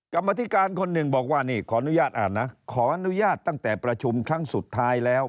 กรรมธิการคนหนึ่งบอกว่านี่ขออนุญาตอ่านนะขออนุญาตตั้งแต่ประชุมครั้งสุดท้ายแล้ว